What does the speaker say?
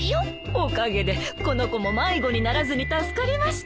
おかげでこの子も迷子にならずに助かりました。